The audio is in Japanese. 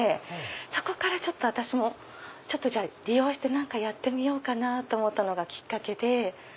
そこから私も利用して何かやってみようかなと思ったのがきっかけで。